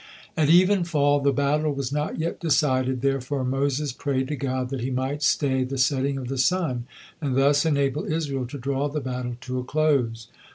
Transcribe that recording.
At evenfall, the battle was not yet decided, therefore Moses prayed to God that He might stay the setting of the sun and thus enable Israel to draw the battle to a close.